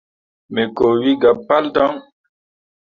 Me koot wi gah pal daŋ.